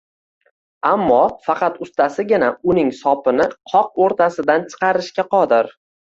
ammo faqat ustasigina uning sopini qoq o'rtasidan chiqarishga qodir.